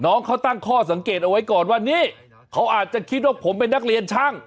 น้องเขาตั้งข้อสังเกตเอาไว้ก่อนว่านี่เขาอาจจะคิดว่าผมเป็นนักเรียนช่าง